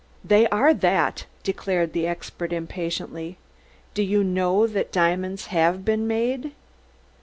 "They are that," declared the expert impatiently. "You know that diamonds have been made?"